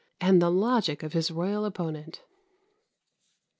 and the logic of his royal opponent!